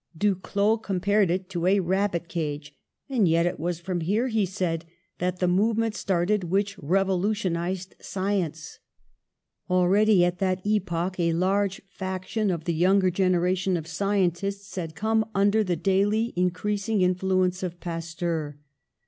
Duclaux compared it to a rabbit cage, ^^and yet it was from there," he said, "that the movement started which revolutionized science." Already at that epoch a large faction of the younger generation of scientists had come un der the daily increasing influence of Pasteur.